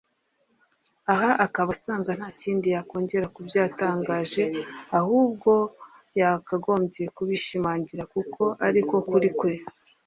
Aha akaba asanga nta kindi yakongera kubyo yatangaje ahubwo ya kagombye kubishimangira kuko ariko kuri kwe